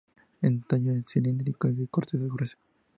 El tallo es cilíndrico y de corteza gruesa.